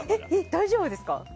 大丈夫ですか？